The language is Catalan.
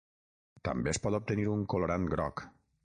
També es pot obtenir un colorant groc.